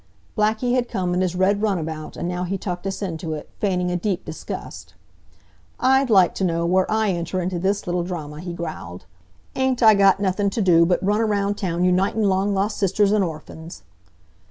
Blackie had come in his red runabout, and now he tucked us into it, feigning a deep disgust. "I'd like to know where I enter into this little drayma," he growled. "Ain't I got nothin' t' do but run around town unitin' long lost sisters an' orphans!"